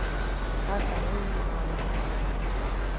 Kaka wewe ni wa maana.